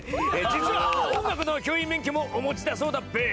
実は音楽の教員免許もお持ちだそうだっべ。